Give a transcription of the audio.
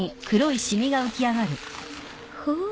ほう。